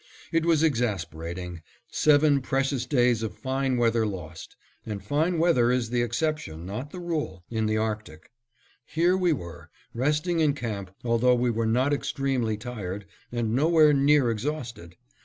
It was exasperating; seven precious days of fine weather lost; and fine weather is the exception, not the rule, in the Arctic. Here we were resting in camp, although we were not extremely tired and nowhere near exhausted.